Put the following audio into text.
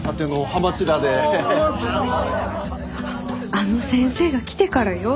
あの先生が来てからよ。